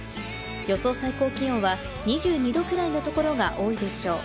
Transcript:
予想最高気温は２２度くらいのところが多いでしょう。